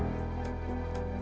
tidak ada apa apa